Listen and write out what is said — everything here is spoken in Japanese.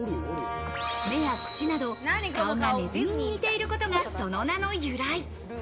目や口など、顔がねずみに似ていることからその名の由来。